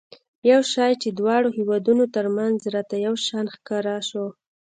یو شی چې د دواړو هېوادونو ترمنځ راته یو شان ښکاره شو.